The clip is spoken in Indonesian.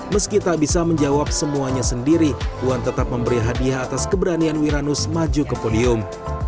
meski tak bisa menjawab semuanya sendiri puan tetap memberi hadiah atas keberanian wiranus maju ke podium